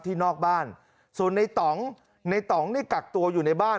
นอกบ้านส่วนในต่องในต่องนี่กักตัวอยู่ในบ้าน